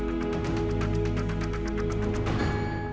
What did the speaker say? โปรดติดตามตอนต่อไป